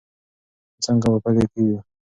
څنګه به پلي کېږي؟